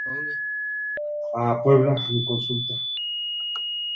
Los tres son conocidos, familiarmente, como La Trinidad Schoenberg, o la Segunda Escuela Vienesa.